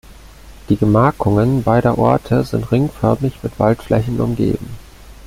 Die Gemarkungen beider Orte sind ringförmig mit Waldflächen umgeben.